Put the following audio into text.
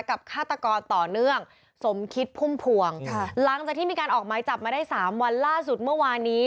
ฆาตกรต่อเนื่องสมคิดพุ่มพวงค่ะหลังจากที่มีการออกไม้จับมาได้สามวันล่าสุดเมื่อวานนี้